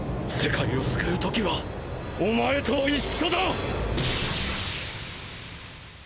世界を救う時はお前と一緒だ！！